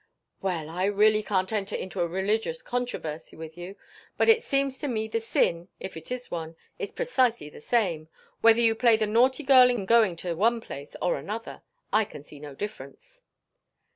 "Well, I really can't enter into a religious controversy with you; but it seems to me the sin, if it is one, is precisely the same, whether you play the naughty girl in going to one place or another. I can see no difference."